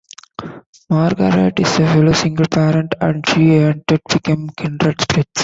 Margaret is a fellow single parent, and she and Ted become kindred spirits.